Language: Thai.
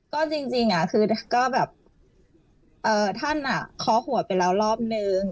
ก็จริงคือก็แบบท่านเคาะหัวไปแล้วรอบนึง